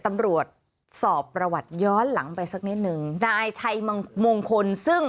ตำรวจสอบประวัติย้อนหลังไปสักนิดหนึ่งนายชัยมังมงคลซึ่ง